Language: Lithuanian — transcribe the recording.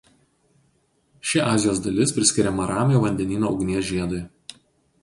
Ši Azijos dalis priskiriama Ramiojo vandenyno ugnies žiedui.